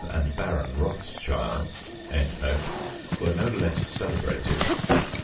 and Baron Rothschild) were no less celebrated.